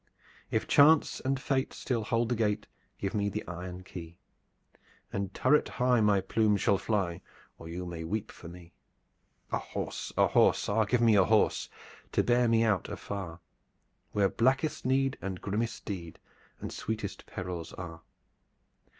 If Chance and Fate still hold the gate, Give me the iron key, And turret high my plume shall fly, Or you may weep for me! A horse! A horse! Ah, give me a horse! To bear me out afar, Where blackest need and grimmest deed And sweetest perils are.